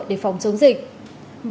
để phòng chống dịch